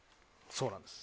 そうなんです。